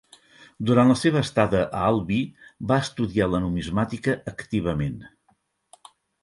Durant la seva estada a Albi va estudiar la numismàtica activament.